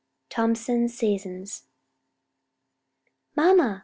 Thomson's Seasons "Mamma!